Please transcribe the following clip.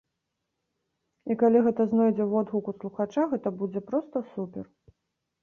І калі гэта знойдзе водгук у слухача, гэта будзе проста супер.